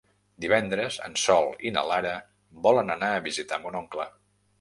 Divendres en Sol i na Lara volen anar a visitar mon oncle.